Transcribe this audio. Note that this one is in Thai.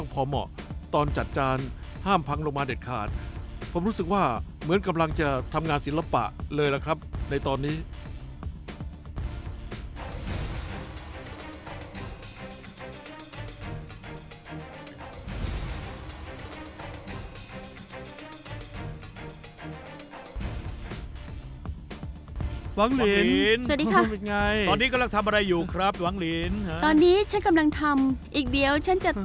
ผมหาจุดบอกพร่องไม่เจอ